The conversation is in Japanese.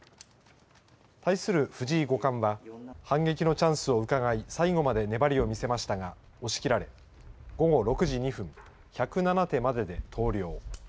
対する藤井五冠は反撃のチャンスをうかがい最後まで粘りを見せましたが押し切られ午後６時２分１０７手までで投了。